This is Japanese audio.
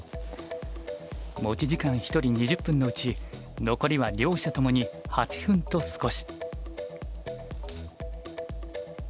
持ち時間１人２０分のうち残りは両者ともに８分と少し。